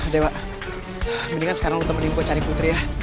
dewa mendingan sekarang lu temenin gue cari putri ya